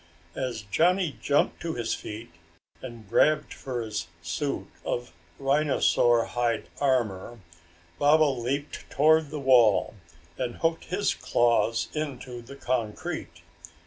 As Johnny jumped to his feet and grabbed for his suit of rhinosaur hide armor, Baba leaped toward the wall and hooked his claws into the concrete.